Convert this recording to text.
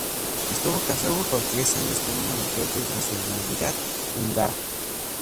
Estuvo casado por tres años con una mujer de nacionalidad húngara.